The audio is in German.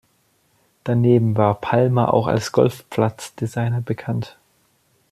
Daneben war Palmer auch als Golfplatz-Designer bekannt.